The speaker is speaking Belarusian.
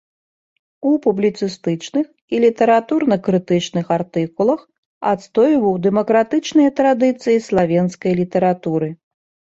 У публіцыстычных і літаратурна-крытычных артыкулах адстойваў дэмакратычныя традыцыі славенскай літаратуры.